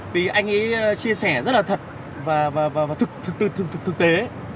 vì anh ấy chia sẻ rất là thật và thực tế